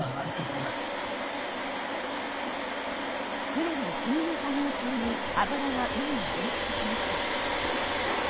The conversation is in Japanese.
船の給油作業中に油が海に流出しました。